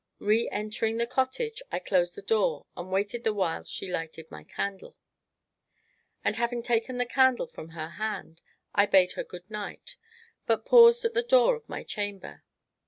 Re entering the cottage, I closed the door, and waited the while she lighted my candle. And, having taken the candle from her hand, I bade her "Good night," but paused at the door of my chamber.